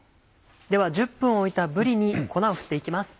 では１０分おいたぶりに粉を振って行きます。